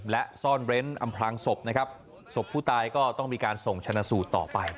และซ่อนเร้นอำพลางศพนะครับศพผู้ตายก็ต้องมีการส่งชนะสูตรต่อไป